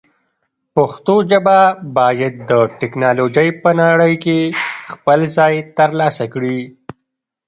پښتو ژبه باید د ټکنالوژۍ په نړۍ کې خپل ځای ترلاسه کړي.